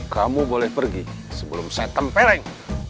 kamu boleh pergi sebelum saya tempeleng